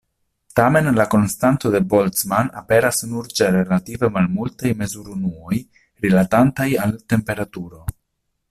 Tamen la konstanto de Boltzmann aperas nur ĉe relative malmultaj mezurunuoj rilatantaj al temperaturo.